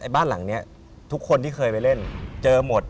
บ้านหลังนี้ทุกคนที่เคยไปเล่นเจอหมด